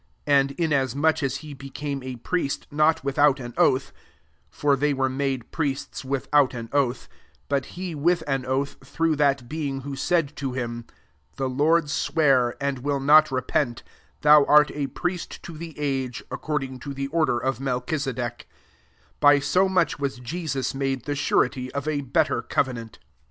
20 And inasmuch as he became a print not without an oath ; 21 (fcr they were made priests widiout an oath ; but he with an oath, through that being who said to him, w The Lord sware, and will not, repent, ' Thou art a priest to the age, [according to the order of MelchisedecJ*;*") 22 by so much was Jesus made! the surety of a better covenant.!